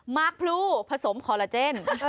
มากพลูผสมคอลลาเจน